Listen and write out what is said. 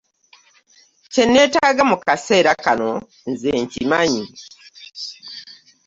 Kye nneetaaga mu kaseera kano nze nkimanyi.